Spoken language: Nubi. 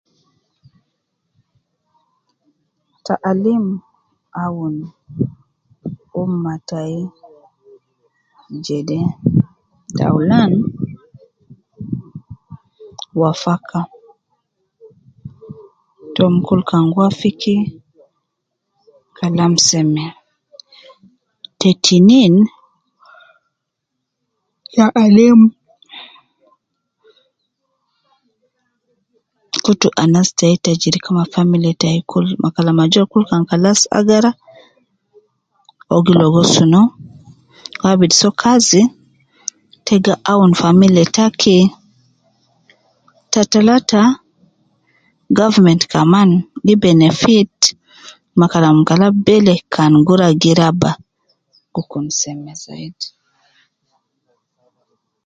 Ta alim awunu umma tai jede, taulan wafaka, tom kul kan gi wafiki, Kalam seme, te tinin ta alim kutu anas tai kul te kirika ma Kalam ajol kan kalas agara, uwo gi ligo sunu, uwo abidu soo kazi, te gi awun family taki, ta talata government kaman gi benefit ma Kalam kalas bele kan gi rua fogo raba gi kun seme zaidi